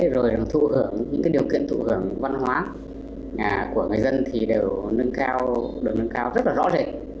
rồi là những điều kiện thụ hưởng văn hóa của người dân thì đều nâng cao đều nâng cao rất là rõ rệt